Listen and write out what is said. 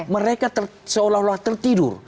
mereka seolah olah tertidur